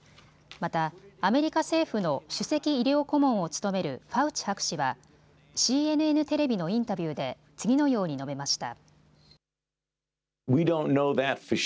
またアメリカ政府の首席医療顧問を務めるファウチ博士はＣＮＮテレビのインタビューで次のように述べました。